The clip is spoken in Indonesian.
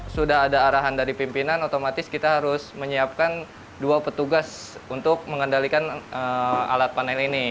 sudah ada arahan dari pimpinan otomatis kita harus menyiapkan dua petugas untuk mengendalikan alat panel ini